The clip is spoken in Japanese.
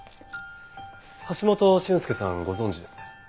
橋本俊介さんご存じですね？